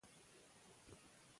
سندرې به حافظه ښه کړي.